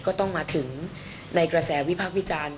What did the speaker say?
ก็ต้องมาถึงในกระแสวิพากษ์วิจารณ์